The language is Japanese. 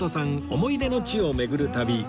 思い出の地を巡る旅